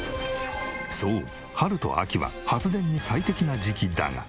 そう春と秋は発電に最適な時期だが。